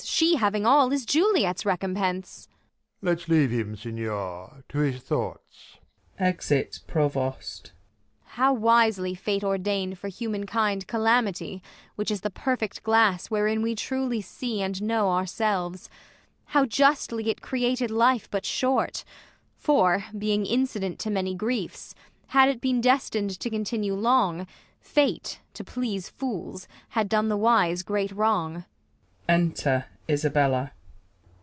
She having all, is Juliet's recompence ? Prov. Let's leave him, signior, to his thoughts. \_Exit Provost. Ang. How wisely fate ordain'd for human kind Calamity, Avhich is the perfect glass Wherein we truly see and know our selves. How justly it created life but short ; For, being incident to many griefs, Had it been destin'd to continue long. Fate, to please fools, had done the wise great wrong.